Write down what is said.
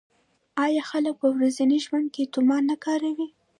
آیا خلک په ورځني ژوند کې تومان نه کاروي؟